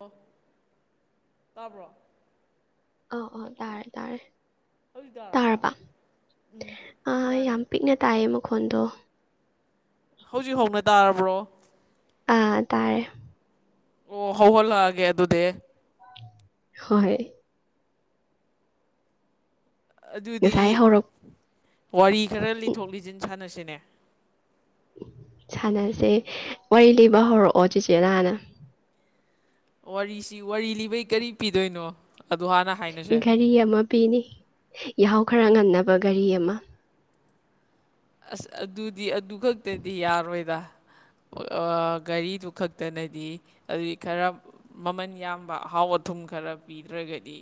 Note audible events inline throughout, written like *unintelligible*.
ꯑꯣ ꯇꯥꯕ꯭ꯔꯣ꯫ ꯑꯣ ꯑꯣ ꯇꯥꯔꯦ ꯇꯥꯔꯦ꯫ ꯍꯧꯖꯤꯛ ꯇꯥꯔꯛꯑꯕ꯭ꯔꯥ ꯇꯥꯔꯕ ꯎꯝ ꯑ ꯇꯥꯔꯦ ꯌꯥꯝ ꯄꯤꯛꯅ ꯇꯥꯏꯌꯦ ꯃꯈꯣꯟꯗꯣ꯫ ꯍꯧꯖꯤꯛ ꯍꯧꯅ ꯇꯥꯔꯕ꯭ꯔꯣ꯫ ꯑꯥ ꯇꯥꯔꯦ꯫ ꯑꯣ ꯍꯧꯍꯜꯂꯛꯑꯒꯦ ꯑꯗꯨꯗꯤ꯫ ꯍꯣꯏ꯫ ꯉꯁꯥꯏ ꯑꯗꯨꯗꯤ꯫ ꯍꯧꯔꯛ ꯋꯥꯔꯤ ꯈꯔ ꯎꯝ, ꯂꯤꯊꯣꯛ ꯂꯤꯁꯤꯟ ꯁꯥꯟꯅꯁꯦ꯫ ꯅꯦ꯫ ꯁꯥꯟꯅꯁꯦ ꯋꯥꯔꯤ ꯂꯤꯕ ꯍꯧꯔꯛꯑꯣ ꯆꯦꯆꯦꯅ ꯍꯥꯟꯅ꯫ ꯋꯥꯔꯤꯁꯤ ꯋꯥꯔꯤ ꯂꯤꯕꯩ ꯀꯔꯤ ꯄꯤꯗꯣꯏꯅꯣ꯫ ꯑꯗꯨ ꯍꯥꯟꯅ ꯍꯥꯏꯅꯁꯦ ꯘꯔꯤ ꯑꯃ ꯄꯤꯅꯤ ꯌꯥꯍꯧ ꯈꯔ ꯉꯟꯅꯕ ꯘꯔꯤ ꯑꯃ꯫ ꯑꯗꯨꯗꯤ ꯑꯗꯨ ꯈꯛꯇꯗꯤ ꯌꯥꯔꯣꯏꯗ꯫ ꯑꯣ ꯘꯔꯤꯗꯨ ꯈꯛꯇꯅꯗꯤ ꯑꯗꯨꯗꯤ ꯈꯔ ꯃꯃꯟ ꯌꯥꯝꯕ ꯑꯍꯥꯎ ꯑꯊꯨꯝ ꯈꯔ ꯄꯤꯗ꯭ꯔꯒꯗꯤ꯫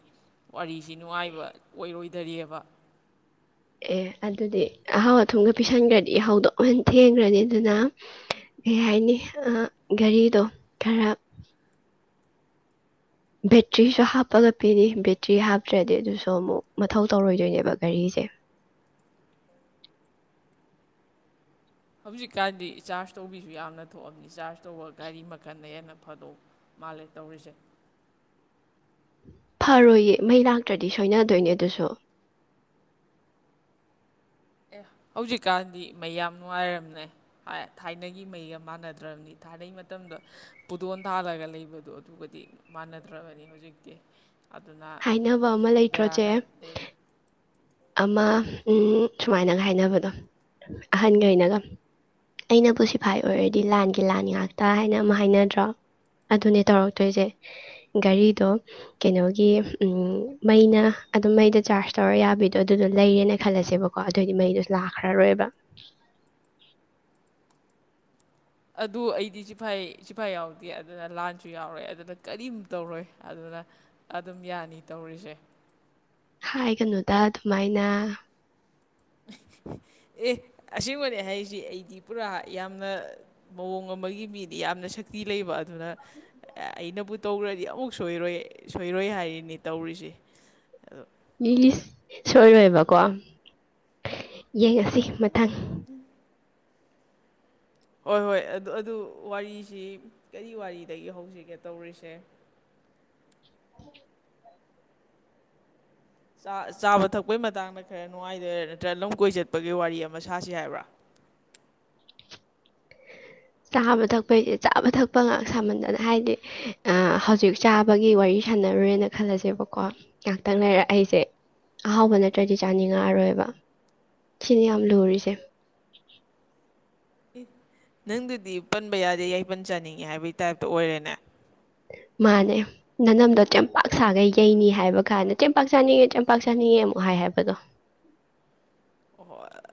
ꯋꯥꯔꯤꯁꯤ ꯅꯨꯡꯉꯥꯏꯕ ꯑꯣꯏꯔꯣꯏ꯫ ꯀꯔꯤꯕ꯫ ꯑꯦ ꯑꯗꯨꯗꯤ ꯑꯍꯥꯎ ꯑꯊꯨꯝꯒ ꯄꯤꯁꯟꯈ꯭ꯔꯗꯤ ꯌꯥꯍꯧꯗꯣ ꯑꯃꯨꯛ ꯍꯦꯟꯅ ꯊꯦꯡꯈ꯭ꯔꯅꯤ ꯑꯗꯨꯅ ꯀꯩ ꯍꯥꯏꯅꯤ ꯑ ꯘꯔꯤꯗꯣ ꯈꯔ꯫ ꯕꯦꯇ꯭ꯔꯤꯁꯨ ꯍꯥꯞꯄꯒ ꯄꯤꯅꯤ ꯕꯦꯇ꯭ꯔꯤ ꯍꯥꯞꯇ꯭ꯔꯗꯤ ꯑꯗꯨꯁꯨ ꯑꯃꯨꯛ ꯃꯊꯧ ꯇꯧꯔꯣꯏꯗꯣꯏꯅꯦꯕ ꯘꯔꯤꯁꯦ꯫ ꯍꯧꯖꯤꯛꯀꯥꯟꯗꯤ ꯆꯥꯔꯖ ꯇꯧꯕꯤꯁꯨ ꯌꯥꯝꯅ ꯊꯣꯛꯑꯕꯅꯤ ꯆꯥꯔꯖ ꯇꯧꯕ ꯒꯥꯔꯤ ꯃꯈꯜꯅ ꯍꯦꯟꯅ ꯐꯗꯣꯛ ꯃꯥꯜꯂꯦ ꯇꯧꯔꯤꯁꯦ꯫ ꯐꯔꯣꯏꯌꯦ ꯃꯩ ꯂꯥꯛꯇ꯭ꯔꯗꯤ ꯁꯣꯏꯅꯗꯣꯏꯅꯦ ꯑꯗꯨꯁꯨ꯫ ꯑꯦ ꯍꯧꯖꯤꯛꯀꯥꯟꯗꯤ ꯃꯩ ꯌꯥꯝ ꯅꯨꯡꯉꯥꯏꯔꯕꯅꯦ ꯊꯥꯏꯅꯒꯤ ꯃꯩꯒ ꯃꯥꯟꯅꯗ꯭ꯔꯕꯅꯤ ꯊꯥꯏꯅꯩ ꯃꯇꯝꯗ ꯄꯨꯗꯣꯟ ꯊꯥꯜꯂꯒ ꯂꯩꯕꯗꯣ ꯑꯗꯨꯒꯗꯤ ꯃꯥꯟꯅꯗ꯭ꯔꯕꯅꯤ ꯍꯧꯖꯤꯛꯇꯤ꯫ ꯑꯗꯨꯅ ꯍꯥꯏꯅꯕ ꯑꯃ ꯂꯩꯇ꯭ꯔꯣ ꯆꯦ ꯕꯦꯔꯥꯒꯥꯏ ꯂꯩ ꯑꯃ ꯁꯨꯃꯥꯏꯅꯒ ꯍꯥꯏꯅꯕꯗꯣ ꯑꯍꯟꯒꯩꯅꯒ ꯑꯩꯅꯄꯨ ꯁꯤꯐꯥꯏ ꯑꯣꯏꯔꯗꯤ ꯂꯥꯟꯒꯤ ꯂꯥꯟ ꯉꯥꯛꯇ ꯍꯥꯏꯅ ꯑꯃ ꯍꯥꯏꯅꯗ꯭ꯔꯣ ꯑꯗꯨꯅꯦ ꯇꯧꯔꯛꯇꯣꯏꯁꯦ ꯒꯥꯔꯤꯗꯣ ꯀꯩꯅꯣꯒꯤ ꯃꯩꯅ ꯑꯗꯨꯝ ꯃꯩꯗ ꯆꯥꯔꯖ ꯇꯧꯔ ꯌꯥꯕꯤ꯫ ꯗꯣ ꯑꯗꯨꯗꯣ ꯂꯩꯔꯦꯅ ꯈꯜꯂꯁꯦꯕꯀꯣ ꯑꯗꯨꯑꯣꯏꯗꯤ ꯃꯩꯗꯣ ꯂꯥꯛꯈ꯭ꯔꯔꯣꯏꯕ ꯑꯗꯨ ꯑꯩꯗꯤ ꯆꯤꯐꯥꯏ ꯆꯤꯐꯥꯏ ꯌꯥꯎꯗꯦ ꯑꯗꯨꯅ ꯂꯥꯟꯁꯨ ꯌꯥꯎꯔꯣꯏ ꯑꯗꯨꯅ ꯀꯔꯤꯝ ꯇꯧꯔꯣꯏ ꯑꯗꯨꯅ ꯑꯗꯨꯝ ꯌꯥꯅꯤ ꯇꯧꯔꯤꯁꯦ꯫ ꯍꯥꯏꯒꯅꯨꯗ ꯑꯗꯨꯃꯥꯏꯅ꯫ ꯑꯦ ꯑꯁꯦꯡꯕꯅꯦ ꯍꯥꯏꯔꯤꯁꯤ ꯑꯩꯗꯤ ꯄꯨꯔꯥ ꯌꯥꯝꯅ ꯃꯑꯣꯡ ꯑꯃꯒꯤ ꯃꯤꯅꯦ ꯌꯥꯝꯅ ꯁꯛꯇꯤ ꯂꯩꯕ ꯑꯩꯅꯕꯨ ꯇꯧꯈ꯭ꯔꯗꯤ ꯑꯃꯨꯛ ꯁꯣꯏꯔꯣꯏ ꯁꯣꯏꯔꯣꯏ ꯍꯥꯏꯔꯤꯅꯤ ꯇꯧꯔꯤꯁꯦ ꯑꯗꯣ ꯏꯁ ꯁꯣꯏꯔꯣꯏꯕꯀꯣ ꯌꯦꯡꯉꯁꯤ ꯃꯊꯪ꯫ *unintelligible* ꯍꯣꯏ ꯍꯣꯏ ꯑꯗꯨ ꯑꯗꯨ ꯋꯥꯔꯤꯁꯤ ꯀꯔꯤ ꯋꯥꯔꯤꯗꯒꯤ ꯍꯧꯁꯤꯒꯦ ꯇꯧꯔꯤꯁꯦ꯫ *unintelligible* ꯆꯥꯕ ꯊꯛꯄꯒꯤ ꯃꯇꯥꯡꯗ ꯈꯔ ꯅꯨꯡꯉꯥꯏꯈꯔꯦ ꯅꯠꯇ꯭ꯔ ꯂꯝ ꯀꯣꯏ ꯆꯠꯄꯒꯤ ꯋꯥꯔꯤ ꯑꯃ ꯁꯥꯁꯤ ꯍꯥꯏꯕ꯭ꯔꯥ꯫ ꯆꯥꯕ ꯊꯛꯄꯩꯁꯦ ꯆꯥꯕ ꯊꯛꯄ ꯉꯥꯛ ꯁꯃꯟꯗꯅ ꯍꯥꯏꯗꯤ ꯍꯧꯖꯤꯛ ꯆꯥꯕꯒꯤ ꯋꯥꯔꯤ ꯁꯥꯟꯅꯔꯨꯔꯦꯅ ꯆꯕꯥꯊꯛꯄꯒꯤꯁꯦ ꯆꯕꯥꯊꯛꯄ ꯉꯛꯇꯥ ꯁꯃꯟꯗꯅ ꯍꯥꯏꯗꯤ ꯍꯑꯣꯖꯤꯛ ꯈꯜꯂꯁꯦꯕꯀꯣ ꯉꯥꯛꯇꯪ ꯂꯩꯔ ꯑꯩꯁꯦ ꯑꯍꯥꯎꯕ ꯅꯠꯇ꯭ꯔꯗꯤ ꯆꯥꯅꯤꯡꯉꯛꯑꯔꯣꯏꯕ ꯁꯤꯅꯤ ꯌꯥꯝ ꯂꯨꯔꯤꯁꯦ꯫ ꯅꯪꯗꯨꯗꯤ ꯄꯟꯕ ꯌꯥꯗꯦ ꯌꯥꯏꯄꯟ ꯆꯥꯅꯤꯡꯉꯤ ꯍꯥꯏꯕꯒꯤ ꯇꯥꯏꯞꯇ ꯑꯣꯏꯔꯦꯅꯦ꯫ ꯃꯥꯅꯦ ꯅꯅꯝꯗꯣ ꯆꯦꯡꯄꯥꯛ ꯁꯥꯈꯩ ꯌꯩꯅꯤ ꯍꯥꯏꯕ ꯀꯥꯟꯗ ꯆꯦꯡꯄꯥꯛ ꯆꯥꯅꯤꯡꯉꯦ ꯆꯦꯝꯄꯥꯛ ꯆꯥꯅꯤꯡꯉꯦ ꯑꯃꯨꯛ ꯍꯥꯏ ꯍꯥꯏꯕꯗꯣ꯫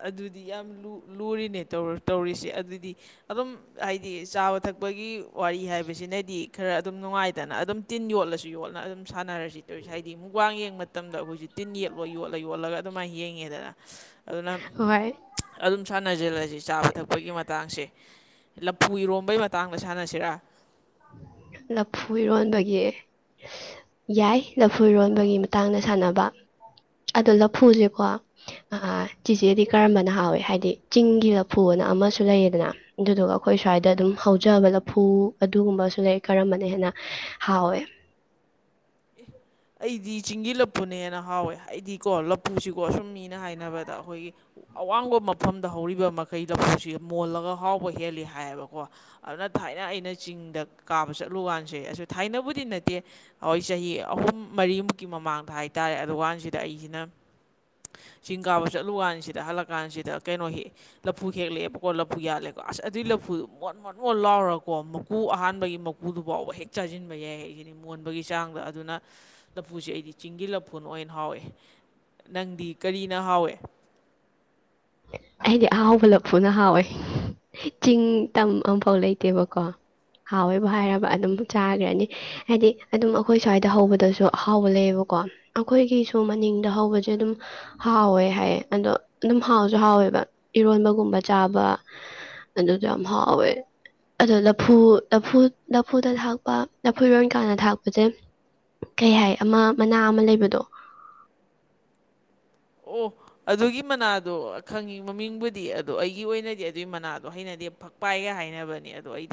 ꯑꯗꯨꯗꯤ ꯌꯥꯝ ꯂꯨꯔꯤꯅꯦ ꯇꯧꯔꯤꯁꯦ ꯑꯗꯨꯗꯤ ꯑꯗꯨꯝ ꯍꯥꯏꯗꯤ ꯆꯥꯕ ꯊꯛꯄꯒꯤ ꯋꯥꯔꯤ ꯍꯥꯏꯕꯁꯤꯅꯗꯤ ꯈꯔ ꯑꯗꯨꯝ ꯅꯨꯡꯉꯥꯏꯗꯅ ꯑꯗꯨꯝ ꯇꯤꯟ ꯌꯣꯠꯂꯁꯨ ꯌꯣꯠꯂ ꯑꯗꯨꯝ ꯁꯥꯟꯅꯔꯁꯤ꯫ ꯇꯔꯤꯁꯦ ꯍꯥꯏꯗꯤ ꯃꯨꯛ ꯕꯥꯡ ꯌꯦꯡꯕ ꯃꯇꯝꯗ ꯑꯩꯈꯣꯏꯁꯨ ꯇꯤꯟ ꯌꯦꯠꯂꯣ ꯌꯣꯠꯂ ꯌꯣꯠꯂꯒ ꯑꯗꯨꯃꯥꯏꯅ ꯌꯦꯡꯉꯦꯗꯅ꯫ ꯅ ꯍꯣꯏ ꯑꯗꯨꯝ ꯁꯥꯟꯅꯁꯤꯜꯂꯁꯤ ꯆꯥꯕ ꯊꯛꯄꯒꯤ ꯃꯇꯥꯡꯁꯦ꯫ ꯂꯐꯨ ꯏꯔꯣꯝꯕꯩ ꯃꯇꯥꯡꯗ ꯁꯥꯟꯅꯁꯤꯔꯥ꯫ ꯂꯐꯨ ꯏꯔꯣꯟꯕꯒꯤ ꯌꯥꯏ ꯂꯐꯨ ꯏꯔꯣꯟꯕꯒꯤ ꯃꯇꯥꯡꯗ ꯁꯥꯟꯅꯕ ꯑꯗꯣ ꯂꯐꯨꯁꯦꯀꯣ ꯆꯤꯆꯦꯗꯤ ꯀꯔꯝꯕꯅ ꯍꯥꯎꯋꯦ ꯍꯥꯏꯕꯗꯤ ꯆꯤꯡꯒꯤ ꯂꯐꯨꯅ ꯑꯃꯁꯨ ꯂꯩꯌꯦꯗꯅ ꯑꯗꯨꯗꯨꯒ ꯑꯩꯈꯣꯏ ꯁ꯭ꯋꯥꯏꯗ ꯑꯗꯨꯝ ꯍꯧꯖꯕ ꯂꯐꯨ꯫ ꯑꯗꯨꯒꯨꯝꯕꯁꯨ ꯂꯩ ꯀꯔꯝꯕꯅ ꯍꯦꯟꯅ ꯍꯥꯎꯋꯦ꯫ ꯑꯩꯗꯤ ꯆꯤꯡꯒꯤ ꯂꯐꯨꯅꯦꯅ ꯍꯥꯎꯋꯦ ꯑꯩꯗꯤꯀꯣ ꯂꯐꯨꯁꯤꯀꯣ ꯑꯁꯨꯝ ꯃꯤꯅ ꯍꯥꯏꯅꯕꯗ ꯑꯩꯈꯣꯏꯒꯤ ꯑꯋꯥꯡꯕ ꯃꯐꯝꯗ ꯍꯧꯔꯤꯕ ꯃꯈꯩ ꯂꯐꯨꯁꯤ ꯃꯣꯜꯂꯒ ꯍꯥꯎꯕ ꯍꯦꯜꯂꯤ ꯍꯥꯏꯌꯦꯕꯀꯣ ꯑꯗꯨꯅ ꯊꯥꯏꯅ ꯑꯩꯅ ꯆꯤꯡꯗ ꯀꯥꯕ ꯆꯠꯂꯨꯀꯥꯟꯁꯦ ꯑ ꯊꯥꯏꯅꯕꯨꯗꯤ ꯅꯠꯇꯦ ꯍꯣꯏ ꯆꯍꯤ ꯑꯍꯨꯝ꯫ ꯃꯔꯤꯃꯨꯛꯀꯤ ꯃꯃꯥꯡꯗ ꯍꯥꯏ ꯇꯥꯔꯦ ꯑꯗꯨ ꯀꯥꯟꯁꯤꯗ ꯑꯩꯁꯤꯅ ꯆꯤꯡ ꯀꯥꯕ ꯆꯠꯂꯨ ꯀꯥꯟꯁꯤꯗ ꯍꯜꯂꯛ ꯀꯥꯟꯁꯤꯗ ꯀꯩꯅꯣ ꯍꯦꯛ ꯂꯐꯨ ꯍꯦꯛꯂꯛꯑꯦꯕꯀꯣ ꯂꯐꯨ ꯌꯥꯜꯂꯦ ꯑꯁ ꯑꯗꯨꯏ ꯂꯐꯨꯗꯣ ꯃꯣꯟ ꯃꯣꯟ ꯃꯣꯟ ꯂꯥꯎꯔꯒ ꯀꯣ ꯃꯀꯨ ꯑꯍꯥꯟꯕꯒꯤ ꯃꯀꯨꯗꯨ ꯐꯥꯎꯕ ꯍꯦꯛ ꯆꯥꯁꯤꯟꯕ ꯌꯥꯏ ꯍꯥꯏꯁꯤꯗꯤ ꯃꯣꯟꯕꯒꯤ ꯆꯥꯡꯗ ꯑꯗꯨꯅ꯫ ꯂꯐꯨꯁꯦ ꯑꯩꯗꯤ ꯆꯤꯡꯒꯤ ꯂꯐꯨꯅ ꯑꯣꯏꯅ ꯍꯥꯎꯋꯦ ꯅꯪꯗꯤ ꯀꯔꯤꯅ ꯑꯣꯏꯅ ꯍꯥꯎꯋꯦ꯫ ꯑꯩꯗꯤ ꯑꯍꯥꯎꯕ ꯂꯐꯨꯅ ꯍꯥꯎꯋꯦ ꯆꯤꯡ ꯇꯝ ꯑꯝꯐꯥꯎ ꯂꯩꯇꯦꯕꯀꯣ ꯍꯥꯎꯋꯦꯕꯨ ꯍꯥꯏꯔꯕ ꯑꯗꯨꯝ ꯆꯥꯈ꯭ꯔꯅꯤ ꯍꯥꯏꯗꯤ ꯑꯗꯨꯝ ꯑꯩꯈꯣꯏ ꯁ꯭ꯋꯥꯏꯗ ꯍꯧꯕꯗꯁꯨ ꯑꯍꯥꯎꯕ ꯂꯩꯌꯦꯕꯀꯣ ꯑꯩꯈꯣꯏꯒꯤꯁꯨ ꯃꯅꯤꯡꯗ ꯍꯧꯕꯁꯦ ꯑꯗꯨꯝ ꯍꯥꯎꯋꯦ ꯍꯥꯏ ꯑꯗꯣ ꯑꯗꯨꯝ꯫ ꯍꯥꯎꯁꯨ ꯍꯥꯎꯋꯦꯕ ꯏꯔꯣꯝꯕꯒꯨꯝꯕ ꯆꯥꯕ ꯑꯗꯨꯗꯣ ꯌꯥꯝ ꯍꯥꯎꯋꯦ ꯑꯗꯣ ꯂꯐꯨ ꯂꯐꯨ ꯂꯐꯨꯗ ꯊꯥꯛꯄ ꯂꯐꯨ ꯏꯔꯣꯟꯀꯥꯟꯗ ꯊꯥꯛꯄꯁꯦ ꯀꯩ ꯍꯥꯏ ꯑꯃ ꯃꯅꯥ ꯑꯃ ꯂꯩꯕꯗꯣ꯫ ꯑꯣ ꯑꯗꯨꯒꯤ ꯃꯅꯥꯗꯣ ꯈꯪꯉꯤ ꯃꯃꯤꯡꯕꯨꯗꯤ ꯑꯗꯣ ꯑꯩꯒꯤ ꯑꯣꯏꯅꯗꯤ ꯑꯗꯨꯒꯤ ꯃꯅꯥꯗꯣ ꯍꯩꯅꯗꯤ ꯐꯛ ꯄꯥꯏꯒ ꯍꯥꯏꯅꯕꯅꯤ ꯑꯗꯣ ꯑꯩ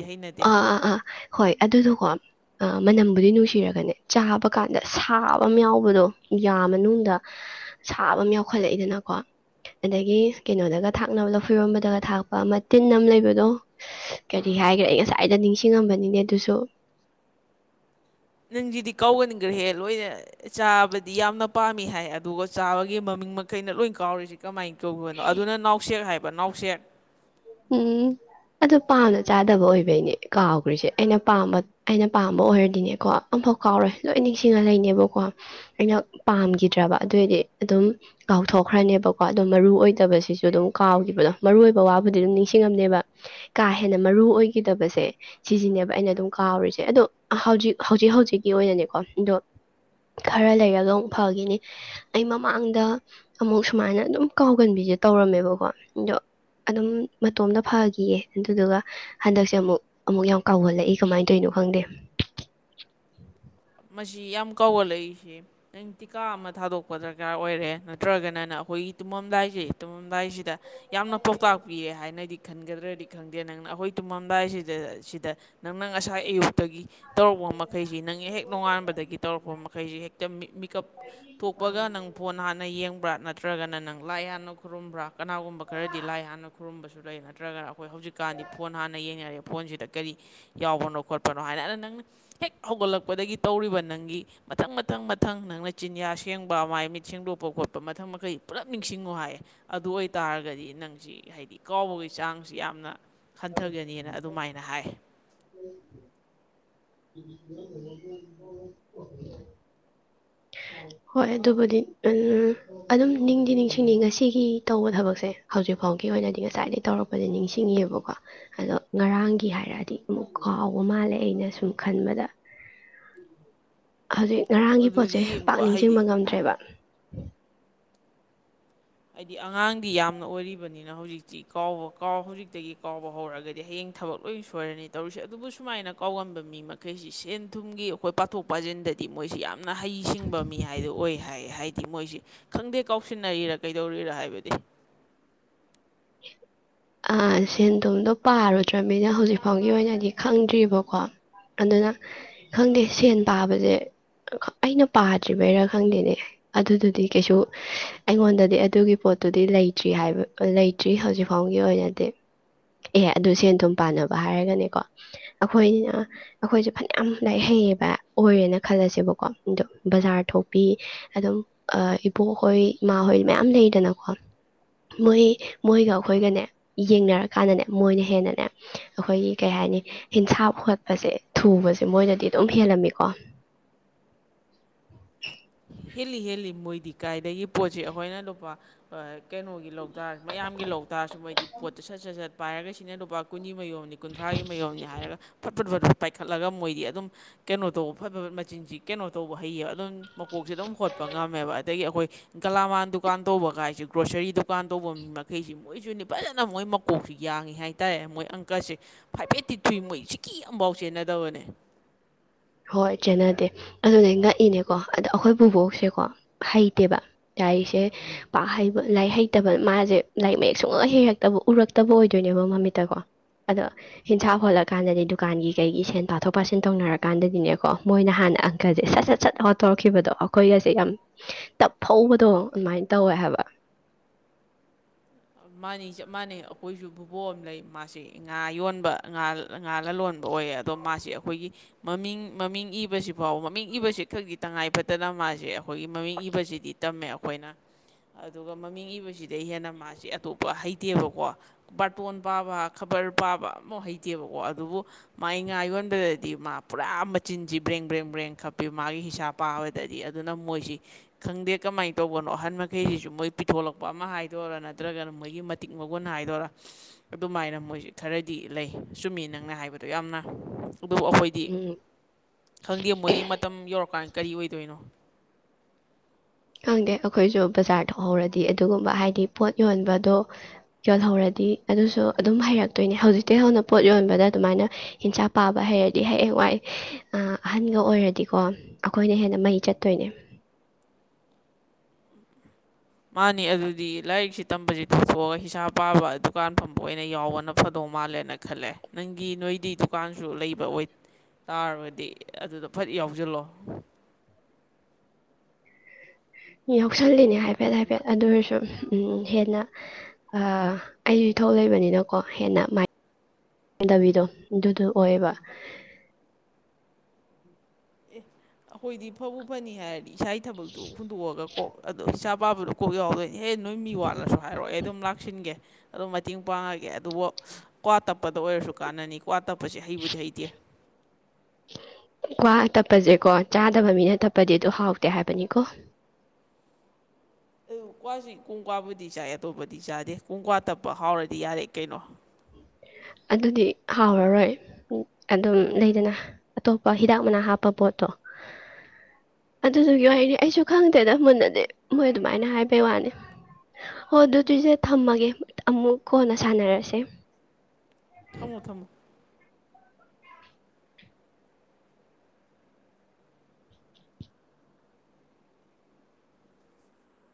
ꯑꯥ ꯑꯥ ꯑꯥ ꯍꯣꯏ ꯑꯗꯨꯗꯣ ꯀꯣ ꯃꯅꯝꯕꯨꯗꯤ ꯅꯨꯡꯁꯤꯔꯒꯅꯦ ꯆꯥꯕ ꯀꯥꯟꯗ ꯁꯥꯕ ꯑꯃ ꯌꯥꯎꯕꯗꯣ ꯌꯥ ꯃꯅꯨꯡꯗ ꯁꯥꯕ ꯑꯃ ꯌꯥꯎꯈꯠꯂꯛꯏꯗꯅꯀꯣ ꯑꯗꯒꯤ ꯀꯩꯅꯣꯗꯒ ꯊꯥꯛꯅꯕ ꯂꯐꯨꯏꯔꯣꯝꯕꯗꯒ ꯊꯥꯛꯄ ꯑꯃ ꯇꯤꯟ ꯑꯃ ꯂꯩꯕꯗꯣ ꯀꯔꯤ ꯍꯥꯏꯈ꯭ꯔꯦ ꯑꯩ꯫ ꯉꯁꯥꯏꯗ ꯅꯤꯡꯁꯤꯡꯉꯝꯕꯅꯤꯅꯦ ꯑꯗꯨꯁꯨ꯫ ꯅꯪꯁꯤꯗꯤ ꯀꯥꯎꯒꯟꯈ꯭ꯔꯦꯍꯦ ꯂꯣꯏꯅ ꯆꯥꯕꯗꯤ ꯌꯥꯝꯅ ꯄꯥꯝꯃꯤ ꯍꯥꯏ ꯑꯗꯨꯒ ꯆꯥꯕꯒꯤ ꯃꯃꯤꯡ ꯃꯈꯩꯅ ꯂꯣꯏ ꯀꯥꯎꯔꯤꯁ ꯀꯃꯥꯏꯅ ꯇꯧꯕꯅꯣ ꯑꯗꯨꯅ ꯅꯥꯎꯁꯦꯛ ꯍꯥꯏ꯫ ꯅꯥꯎꯁꯦꯛ꯫ ꯎꯝ ꯑꯗꯨ ꯄꯥꯝꯅ ꯆꯥꯗꯕ ꯑꯣꯏꯕꯩꯅꯦ ꯀꯥꯎꯈ꯭ꯔꯤꯁꯦ ꯑꯩꯅ ꯄꯥꯝꯕ ꯑꯩꯅ ꯄꯥꯝꯕ ꯑꯣꯏꯔꯗꯤꯅꯦꯀꯣ ꯑꯝꯐꯥꯎ ꯀꯥꯎꯔꯣꯏ ꯂꯣꯏ ꯅꯤꯡꯁꯤꯡꯉ ꯂꯩꯅꯦꯕꯀꯣ ꯑꯩꯅ ꯄꯥꯝꯒꯤꯗ꯭ꯔꯕ ꯑꯗꯨꯏꯗꯤ ꯑꯗꯨꯝ ꯀꯥꯎꯊꯣꯛꯈ꯭ꯔꯅꯦꯕꯀꯣ ꯑꯣ ꯃꯔꯨ ꯑꯣꯏꯗꯕꯁꯤꯁꯨ ꯑꯗꯨꯝ ꯀꯥꯎꯈꯤꯕꯗꯣ ꯃꯔꯨ ꯑꯣꯏꯕ ꯋꯥꯕꯨ꯫ ꯕꯨꯗꯤ ꯑꯗꯨꯝ ꯅꯤꯡꯁꯤꯡꯉꯝꯅꯦꯕ ꯀꯥ ꯍꯦꯟꯅ ꯃꯔꯨ ꯑꯣꯏꯈꯤꯗꯕꯁꯦ ꯁꯤꯁꯤꯅꯦꯕ ꯑꯩꯅ ꯑꯗꯨꯝ ꯀꯥꯎꯔꯤꯁꯦ ꯑꯗꯣ ꯍꯧꯖꯤꯛ ꯍꯧꯖꯤꯛ ꯍꯧꯖꯤꯛꯀꯤ ꯑꯣꯏꯅꯅꯦꯀꯣ ꯑꯗꯣ ꯈꯔ ꯂꯩꯔꯒ ꯑꯃꯨꯛ ꯐꯈꯤꯅꯤ ꯑꯩ ꯃꯃꯥꯡꯗ ꯑꯃꯨꯛ ꯁꯨꯃꯥꯏꯅ ꯑꯗꯨꯝ ꯀꯥꯎꯒꯟꯕꯤꯁꯦ ꯇꯧꯔꯝꯃꯦꯕꯀꯣ ꯑꯗꯣ꯫ ꯑꯗꯨꯝ ꯃꯇꯣꯝꯗ ꯐꯈꯤꯌꯦ ꯑꯗꯨꯗꯨꯒ ꯍꯟꯗꯛꯁꯦ ꯑꯃꯨꯛ ꯑꯃꯨꯛ ꯌꯥꯝ ꯀꯥꯎꯝꯜꯂꯛꯏ ꯀꯃꯥꯏꯅ ꯇꯧꯔꯤꯅꯣ ꯈꯪꯗꯦ꯫ ꯃꯁꯤ ꯌꯥꯝ ꯀꯧꯒꯜꯂꯛꯏꯁꯤ ꯅꯪ ꯇꯤꯀꯥ ꯑꯃ ꯊꯥꯗꯣꯛꯄ ꯗꯔꯀꯥꯔ ꯑꯣꯏꯔꯦ ꯅꯠꯇ꯭ꯔꯒꯅꯅ ꯑꯩꯈꯣꯏꯒꯤ ꯇꯨꯝꯃꯝꯗꯥꯏꯁꯤ ꯇꯨꯝꯃꯝꯗꯥꯏꯁꯤꯗ꯫ ꯌꯥꯝꯅ ꯄꯥꯎꯇꯥꯛ ꯄꯤꯔꯦ ꯍꯥꯏꯅꯗꯤ꯫ ꯈꯟꯒꯗ꯭ꯔꯥꯗꯤ ꯈꯪꯗꯦ ꯅꯪꯅ ꯑꯩꯈꯣꯏ ꯇꯨꯝꯃꯝꯗꯥꯏꯁꯤꯗ ꯁꯤꯗ ꯅꯪ ꯅꯥ ꯉꯥꯁꯥꯏ ꯑꯌꯨꯛ꯫ ꯇꯒꯤ ꯇꯧꯔꯨꯕ ꯃꯈꯩꯁꯤ ꯅꯪ ꯍꯦꯛ ꯅꯣꯉꯥ ꯟꯕꯗꯒꯤ ꯇꯧꯔꯛꯄ ꯃꯈꯩꯁꯤ ꯍꯦꯛꯇ ꯃꯤ ꯃꯤꯀ ꯎꯞ ꯊꯣꯛꯄꯒ ꯅꯪ ꯐꯣꯟ ꯍꯥꯟꯅ ꯌꯦꯡꯕ꯭ꯔꯥ ꯅꯠꯇ꯭ꯔꯒꯅꯅꯪ ꯂꯥꯏ ꯍꯥꯟꯅ ꯈꯨꯔꯨꯝꯕ꯭ꯔꯥ ꯀꯅꯥꯒꯨꯝꯕ ꯈꯔꯗꯤ ꯂꯥꯏ ꯍꯥꯟꯅ ꯈꯨꯔꯨꯝꯕꯁꯨ ꯂꯩ ꯅꯠꯇ꯭ꯔꯒꯅ ꯑꯩꯈꯣꯏ ꯍꯧꯖꯤꯛꯀꯥꯟꯗꯤ ꯐꯣꯟ ꯍꯥꯟꯅ ꯌꯦꯡꯅꯔꯦ ꯐꯣꯟꯁꯤꯗ ꯀꯔꯤ ꯌꯥꯎꯕꯅꯣ ꯈꯣꯠꯄꯅꯣ ꯍꯥꯏꯅ ꯅꯪꯅ ꯍꯦꯛ ꯍꯧꯒꯠꯂꯛꯄꯗꯒꯤ ꯇꯧꯔꯤꯕ ꯅꯪꯒꯤ ꯃꯊꯪ ꯃꯊꯪ ꯃꯊꯪ ꯅꯪꯅ ꯆꯤꯟꯌꯥ ꯁꯦꯡꯕ ꯃꯥꯏ ꯃꯤꯠ ꯁꯦꯡꯗꯣꯛꯄ ꯈꯣꯠꯄ ꯃꯊꯪ ꯃꯈꯩ ꯄꯨꯂꯞ ꯅꯤꯡꯁꯤꯡꯉꯣ ꯍꯥꯏꯌꯦ ꯑꯗꯨ ꯑꯣꯏꯇꯥꯔꯒꯗꯤ ꯅꯪꯁꯤ ꯍꯥꯏꯗꯤ ꯀꯥꯎꯕꯒꯤ ꯆꯥꯡꯁꯤ ꯌꯥꯝꯅ ꯈꯟꯊꯒꯅꯤꯅ ꯑꯗꯨꯃꯥꯏꯅ ꯍꯥꯏ ꯍꯣꯏ ꯑꯗꯨꯕꯨꯗꯤ ꯑꯗꯨꯝ ꯅꯤꯡꯗꯤ ꯅꯤꯡꯁꯤꯡꯉ ꯉꯁꯤꯒꯤ ꯇꯧꯕ ꯊꯕꯛꯁꯦ ꯍꯧꯖꯤꯛ ꯐꯥꯎꯒꯤ ꯑꯣꯏꯅꯗꯤ ꯉꯁꯥꯏꯗꯒꯤꯩ ꯇꯧꯔꯛꯄꯗꯤ ꯅꯤꯡꯁꯤꯡꯉꯕꯀꯣ ꯑꯗꯣ ꯉꯔꯥꯡꯒꯤ ꯍꯥꯏꯔꯛꯑꯗꯤ ꯑꯃꯨꯛ ꯍꯥꯎꯕ ꯃꯥꯜꯂꯦ ꯑꯩꯅ ꯁꯨꯝ ꯈꯟꯕꯗ ꯍꯧꯖꯤꯛ ꯉꯔꯥꯡꯒꯤ ꯄꯣꯠꯁꯦ ꯑꯗꯨꯗꯤ ꯄꯥꯛ ꯍꯥꯏꯗꯤ ꯅꯤꯡꯁꯤꯡꯕ ꯉꯝꯗ꯭ꯔꯦꯕ ꯎꯝ ꯍꯥꯏꯗꯤ ꯑꯉꯥꯡꯗꯤ ꯌꯥꯝꯅ ꯑꯣꯏꯔꯤꯕꯅꯤꯅ ꯍꯧꯖꯤꯛꯇꯤ ꯀꯥꯎꯕ ꯀꯥꯎ ꯍꯧꯖꯤꯛꯇꯒꯤ ꯀꯥꯎꯕ ꯍꯧꯔꯛꯑꯒꯗꯤ ꯍꯌꯦꯡ ꯊꯕꯛ ꯂꯣꯏ ꯁꯣꯏꯔꯅꯤ ꯇꯧꯔꯤꯁꯦ ꯑꯗꯨꯕꯨ ꯁꯨꯃꯥꯏꯅ ꯀꯥꯎꯂꯝꯝꯕ ꯃꯤ ꯃꯈꯩꯁꯤ ꯁꯦꯟ ꯊꯨꯝꯒꯤ ꯑꯩꯈꯣꯏ ꯄꯥꯊꯣꯛ ꯄꯥꯁꯤꯟꯗꯗꯤ ꯃꯣꯏꯁꯤ ꯌꯥꯝ ꯍꯩ ꯁꯤꯡꯕ ꯃꯤ ꯍꯥꯏꯗꯣ ꯑꯣꯏ ꯍꯥꯏ ꯍꯥꯏꯗꯤ ꯃꯣꯏꯁꯦ ꯈꯪꯗꯦ ꯀꯥꯎꯁꯤꯟꯅꯔꯤꯔ ꯀꯩꯗꯧꯔꯤꯔꯥ ꯍꯥꯏꯕꯗꯤ ꯑ ꯁꯦꯟ ꯊꯨꯝꯗꯣ ꯄꯥꯔꯨꯗ꯭ꯔꯅꯤꯅ ꯍꯧꯖꯤꯛ ꯐꯥꯎꯒꯤ ꯑꯣꯏꯅꯗꯤ ꯈꯪꯗ꯭ꯔꯤꯕꯀꯣ ꯑꯗꯨꯅ ꯈꯪꯗꯦ ꯁꯦꯟ ꯄꯥꯕꯁꯦ ꯑꯩꯅ ꯄꯥꯗ꯭ꯔꯤꯕꯩꯔꯥ ꯈꯪꯗꯦꯅꯦ ꯑꯗꯨꯗꯨꯗꯤ ꯀꯩꯁꯨ ꯑꯩꯉꯣꯟꯗꯗꯤ ꯑꯗꯨꯒꯤ ꯄꯣꯠꯇꯨꯗꯤ ꯂꯩꯇ꯭ꯔꯤ ꯍꯥꯏꯕ ꯂꯩꯇ ꯠꯇ꯭ꯔꯤ ꯍꯧꯖꯤꯛ ꯐꯥꯎꯒꯤ ꯑꯣꯏꯅꯗꯤ ꯑꯦ ꯑꯗꯨ ꯁꯦꯟ ꯑꯗꯨꯝ ꯄꯥꯟꯅꯕ ꯍꯥꯏꯔꯒꯅꯦꯀꯣ ꯑꯩꯈꯣꯏꯅꯤꯅ ꯑꯩꯈꯣꯏꯁꯦ ꯐꯅꯌꯥꯝ ꯂꯥꯏꯔꯤꯛ ꯍꯩꯌꯦꯕ ꯑꯣꯏꯔꯦꯅ ꯈꯜꯂꯁꯦꯕꯀꯣ ꯑꯗꯣ ꯕꯖꯥꯔ ꯊꯣꯛꯄꯤ ꯑꯗꯨꯝ ꯏꯕꯣꯛꯍꯣꯏ ꯏꯃꯥꯍꯣꯏ ꯃꯌꯥꯝ ꯂꯩꯗꯅꯀꯣ ꯃꯣꯏ ꯃꯣꯏꯒ ꯑꯩꯈꯣꯏꯒꯅꯦ ꯌꯦꯡꯅꯔꯀꯥꯟꯗꯅꯦ ꯃꯣꯏꯅ ꯍꯦꯟꯅꯅꯦ ꯑꯩꯈꯣꯏꯒꯤ ꯀꯩ ꯍꯥꯏꯅꯤ ꯍꯟꯁꯥꯞ ꯈꯣꯠꯄꯁꯦ ꯊꯨꯕꯁꯦ ꯃꯣꯏꯗꯗꯤ ꯑꯗꯨꯝ ꯍꯦꯜꯂꯝꯃꯤꯀꯣ ꯍꯦꯂꯤ ꯍꯦ ꯃꯣꯏ ꯀꯥꯏꯗꯒꯤ ꯄꯣꯠꯁꯤ ꯑꯩꯈꯣꯏꯅ ꯂꯨꯄꯥ ꯀꯩꯅꯣꯒꯤ ꯂꯧꯇꯥꯥꯔꯁꯨ ꯃꯌꯥꯝꯒꯤ ꯂꯧꯇꯥꯥꯔꯁꯨ ꯃꯣꯏꯗꯤ ꯄꯣꯠꯇꯨ ꯁꯠ ꯁꯠ ꯁꯠ ꯄꯥꯒ ꯁꯤꯅ ꯗꯣꯕꯥ ꯀꯨꯅꯤ ꯃꯌꯣꯝꯅꯤ ꯀꯨꯟꯊ꯭ꯔꯥꯒꯤ ꯃꯌꯣꯝꯅꯤ ꯍꯥꯏꯔꯒ ꯐꯠꯄꯨꯠ ꯐ ꯄꯥꯏꯈꯠꯂꯒ ꯃꯣꯏꯗꯤ ꯑꯗꯨꯝ ꯀꯩꯅꯣ ꯇꯧꯕ ꯐꯕ ꯃꯆꯤꯟꯁꯤ ꯀꯩꯅꯣ ꯇꯧꯕ ꯍꯩꯌꯦꯕ ꯑꯗꯨꯝ ꯃꯀꯣꯛꯁꯦ ꯑꯗꯨꯝ ꯍꯣꯠꯄ ꯉꯝꯃꯦꯕ ꯑꯗꯒꯤ ꯑꯩꯈꯣꯏ ꯒꯂꯥꯃꯥꯟ ꯗꯨꯀꯥꯟ ꯇꯧꯕ ꯀꯥꯏꯁꯦ ꯒ꯭ꯔꯣꯁꯔꯤ ꯗꯨꯀꯥꯟ ꯇꯧꯕ ꯃꯤ ꯃꯈꯩꯁꯤ ꯃꯣꯏꯁꯨꯅꯤ ꯐꯖꯅ ꯃꯣꯏ ꯃꯀꯣꯛꯁꯤ ꯌꯥꯡꯉꯤ ꯍꯥꯏꯇꯥꯔꯦ ꯃꯣꯏ ꯑꯪꯀꯜꯁꯦ ꯐꯥꯏꯐꯦꯠꯇꯤꯛ ꯊꯨꯏ ꯃꯣꯏ ꯆꯤꯀꯤ ꯑꯃꯝꯐꯥꯎ ꯆꯦꯟꯅꯗꯕꯅꯦ ꯍꯣꯏ ꯆꯦꯟꯅꯗꯦ ꯑꯗꯨꯅ ꯉꯛꯏꯅꯦꯀꯣ ꯑꯗ ꯑꯩꯈꯣꯏ ꯄꯨꯕꯣꯛꯁꯦꯀꯣ ꯍꯩꯇꯦꯕ ꯌꯥꯔꯤꯁꯦ ꯄꯥꯛ ꯍꯩꯕ ꯂꯥꯏꯔꯤꯛ ꯍꯩꯇꯕ ꯃꯥꯁꯦ ꯂꯥꯏꯔꯤꯛ ꯃꯌꯦꯛ ꯁꯨꯡꯉ ꯍꯩꯔꯛꯇꯕ ꯎꯔꯛꯇꯕ ꯑꯣꯏꯗꯣꯏꯅꯦꯕ ꯃꯃꯤꯠꯇꯀꯣ ꯑꯗꯣ ꯍꯤꯟꯁꯥ ꯍꯣꯜꯂꯀꯥꯟꯗꯗꯤ ꯗꯨꯀꯥꯟꯒꯤ ꯀꯩꯒꯤ ꯁꯦꯟ ꯄꯥꯊꯣꯛ ꯄꯥꯁꯤꯟ ꯇꯧꯅꯔꯛꯀꯦ ꯀꯥꯟꯗꯗꯤꯅꯦꯀꯣ ꯃꯣꯏꯅ ꯍꯥꯟꯅ ꯑꯪꯀꯁꯦ ꯁꯠ ꯁꯠ ꯁꯠ ꯍꯣꯠꯇꯣꯔꯛꯈꯤꯕꯗꯣ ꯑꯩꯈꯣꯏꯒꯁꯦ ꯌꯥꯝ ꯇꯞ ꯐꯧꯕꯗꯣ ꯑꯗꯨꯃꯥꯏꯅ ꯇꯧꯋꯦ ꯍꯥꯏꯕ ꯃꯥꯅꯤ ꯆꯞ ꯃꯥꯟꯅꯩ ꯑꯩꯈꯣꯏꯁꯨ ꯚꯨꯕꯣ ꯑꯃ ꯂꯩ ꯃꯥꯁꯤꯦ ꯉꯥ ꯌꯣꯟꯕꯥ ꯉꯥ ꯂꯂꯣꯟꯕ ꯑꯣꯏꯌꯦ ꯑꯗꯣ ꯃꯥꯁꯦ ꯑꯩꯈꯣꯏꯒꯤ ꯃꯃꯤꯡ ꯃꯃꯤꯡ ꯏꯕꯁꯤ ꯐꯥꯎꯕ ꯃꯃꯤꯡ ꯏꯕꯁꯤ ꯈꯛꯒꯤ ꯇꯉꯥꯏ ꯐꯗꯅ ꯃꯥꯁꯦ ꯑꯩꯈꯣꯏꯒꯤ ꯃꯃꯤꯡ ꯏꯕꯁꯤꯗꯤ ꯇꯝꯃꯦ ꯑꯩꯈꯣꯏꯅ ꯑꯗꯨꯒ ꯃꯃꯤꯡ ꯏꯕꯁꯤꯗꯩ ꯍꯦꯟꯅ ꯃꯥꯁꯤꯦ ꯑꯇꯣꯞꯄ ꯍꯩꯇꯦꯕꯀꯣ ꯕꯥꯔꯇꯣꯟ ꯄꯥꯕ ꯈꯕꯔ ꯄꯥꯕ ꯑꯥꯎ ꯍꯩꯇꯦꯕꯀꯣ ꯑꯗꯨꯕꯨ ꯃꯥꯏ ꯉꯥ ꯌꯣꯟꯕꯗꯗꯤ ꯃꯥ ꯄꯨꯔꯥ ꯃꯆꯤꯟꯁꯤ ꯕ꯭ꯔꯦꯡ ꯕ꯭ꯔꯦꯡ ꯕ꯭ꯔꯦꯡ ꯈꯞꯄꯤ ꯃꯥꯒꯤ ꯍꯤꯡꯁꯥ ꯄꯥꯕꯗꯗꯤ ꯑꯗꯨꯅ ꯃꯣꯏꯁꯤ ꯈꯪꯗꯦ ꯀꯃꯥꯏꯅ ꯇꯧꯕꯅꯣ ꯑꯍꯟ ꯃꯈꯩꯁꯤꯁꯨ ꯃꯣꯏ ꯄꯤꯊꯣꯂꯛꯄ ꯑꯃ ꯍꯥꯏꯗꯣꯔꯔꯅ ꯅꯠꯇ꯭ꯔꯒꯅ ꯃꯣꯏꯒꯤ ꯃꯇꯤꯛ ꯃꯒꯨꯟ ꯍꯥꯏꯗꯣꯏꯔꯥ ꯑꯗꯨꯃꯥꯏꯅ ꯃꯣꯏꯁ ꯈꯔꯗꯤ ꯂꯩ ꯆꯨꯝꯃꯤ ꯅꯪꯅ ꯍꯥꯏꯕꯗꯣ ꯌꯥꯝꯅ ꯑꯗꯨꯕꯨ ꯑꯩꯈꯣꯏꯗꯤ ꯎꯝ ꯈꯪꯗꯦ ꯃꯣꯏꯒꯤ ꯃꯇꯝ ꯌꯧꯔꯀꯥꯟꯗ ꯀꯔꯤ ꯑꯣꯏꯗ ꯇꯣꯏꯅꯣ ꯈꯪꯗꯦ ꯑꯩꯈꯣꯏꯁꯨ ꯕꯖꯥꯔ ꯊꯣꯛꯍꯧꯔꯗꯤ ꯑꯗꯨꯒꯨꯝꯕ ꯍꯥꯏꯗꯤ ꯄꯣꯠ ꯌꯣꯟꯕꯗꯣ ꯌꯣꯜꯍꯧꯔꯗꯤ ꯑꯗꯨꯁꯨ ꯑꯗꯨꯝ ꯍꯩꯔꯛꯇꯣꯏꯅꯦ ꯍꯧꯖꯤꯛꯇꯤ ꯍꯧꯅ ꯄꯣꯠ ꯌꯣꯟꯕꯗ ꯑꯗꯨꯃꯥꯏꯅ ꯍꯤꯟꯁꯥꯛ ꯄꯥꯕ ꯍꯩꯔꯗꯤ ꯍꯌꯦꯡ ꯋꯥꯏ ꯑꯍꯟꯒ ꯑꯣꯏꯔꯗꯤꯀꯣ ꯑꯩꯈꯣꯏꯅ ꯍꯦꯟꯅ ꯃꯩ ꯆꯠꯇꯣꯏꯅꯦ ꯃꯥꯅꯤ ꯑꯗꯨꯗꯤ ꯂꯥꯏꯛꯁꯤ ꯇꯕꯁꯤ ꯊꯣꯛꯊꯣꯛꯑꯒ ꯍꯥ ꯑꯄꯥꯕ ꯗꯨꯀꯥꯟ ꯐꯝꯕ ꯑꯣꯏꯅ ꯌꯥꯎꯕꯅ ꯐꯗꯧ ꯃꯥꯜꯂꯦꯅ ꯈꯜꯂꯦ ꯅꯪꯒꯤ ꯅꯣꯏꯗꯤ ꯗꯨꯀꯥꯟꯁꯨ ꯂꯩꯕ ꯑꯣꯏꯇꯥꯥꯔꯒꯗꯤ ꯑꯗꯨꯗ ꯐꯠ ꯌꯥꯎꯁꯤꯜꯂꯣ ꯌꯥꯎꯁꯜꯂꯤꯅꯦ ꯍꯥꯏꯐꯦꯠ ꯍꯥꯏꯐꯦꯠ ꯑꯗꯨ ꯑꯣꯏꯔꯁꯨ ꯎꯝ ꯍꯦꯟꯅ ꯑꯩꯁꯨ ꯏ ꯊꯣꯛꯣꯛ ꯂꯩꯕꯅꯤꯅꯀꯣ ꯍꯦꯟꯅ ꯃꯗꯕꯤꯗꯣ ꯑꯗꯨꯗꯣ ꯑꯣꯏꯌꯦꯕ ꯑꯦ ꯑꯩꯈꯣꯏꯗꯤ ꯐꯕꯕꯨ ꯐꯅꯤ ꯍꯥꯏꯔꯗꯤ ꯏꯁꯥ ꯊꯕꯛꯇꯨ ꯍꯨꯟꯗꯣꯛꯑꯒ ꯀꯣꯛ ꯑꯗꯣ ꯋꯥꯚꯕꯔꯨꯛꯀꯒꯦꯎꯗꯦ ꯑꯦꯍ ꯅꯣꯏ ꯃꯤ ꯋꯥꯠꯂꯁꯨ ꯍꯥꯏꯔꯛꯑꯣ ꯑꯩ ꯑꯗꯨꯝ ꯂꯥꯛꯁꯤꯟꯒꯦ ꯑꯗꯨꯝ ꯃꯇꯦꯡ ꯄꯥꯡꯉꯒꯦ ꯑꯗꯨꯕꯨ ꯀ꯭ꯋꯥ ꯇꯞꯄꯗ ꯑꯣꯏꯔꯁꯨ ꯀꯥꯟꯅꯅꯤꯀꯣ ꯋꯥ ꯇꯞꯄꯁꯦ ꯍꯩꯕꯨꯗꯤ ꯍꯩꯇꯦ ꯀ꯭ ꯇꯞꯄꯁꯦꯀꯣ ꯆꯥꯗꯕ ꯃꯤꯅ ꯇꯞꯄꯗꯤ ꯑꯗꯨ ꯍꯥꯎꯇꯦ ꯍꯥꯏꯕꯅꯤꯀꯣ ꯑꯗꯨ ꯀ꯭ꯋꯥꯁꯤ ꯀꯨꯡ ꯀ꯭ꯋꯥꯕꯨꯗꯤ ꯆꯥꯏ ꯑꯇꯣꯞꯄꯗꯤ ꯆꯥꯗꯦ ꯀꯨꯡꯀ꯭ꯋꯥ ꯇꯞꯄ ꯍꯥꯎꯔꯗꯤ ꯌꯥꯔꯦ ꯀꯩꯅꯣ ꯑꯗꯨꯗꯤ ꯍꯥꯎꯔꯔꯣꯏ ꯑꯗꯨꯝ ꯂꯩꯗꯅ ꯑꯇꯣꯞꯄ ꯍꯤꯗꯥꯛ ꯃꯅꯥ ꯍꯥꯞꯄ ꯄꯣꯠꯇꯣ ꯑꯗꯨꯗꯨꯒꯤ ꯋꯥꯔꯤꯅꯤ ꯑꯩꯁꯨ ꯈꯪꯗꯦꯗ ꯃꯨꯟꯅꯗꯤ ꯃꯣꯏ ꯑꯗꯨꯃꯥꯏꯅ ꯍꯥꯏꯕꯩ ꯋꯥꯅꯤ ꯍꯣꯏ ꯑꯗꯨꯑꯣꯏꯁꯦ ꯊꯝꯃꯒꯦ ꯑꯃꯨꯛ ꯀꯣꯟꯅ ꯁꯥꯟꯅꯔꯁꯦ ꯊꯝꯃꯣ ꯊꯝꯃꯣ